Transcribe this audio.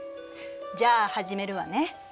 じゃあ始めるわね。